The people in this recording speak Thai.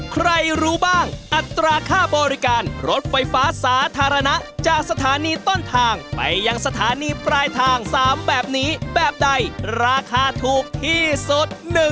ใครรู้บ้างอัตราค่าบริการรถไฟฟ้าสาธารณะจากสถานีต้นทางไปยังสถานีปลายทาง๓แบบนี้แบบใดราคาถูกที่สุด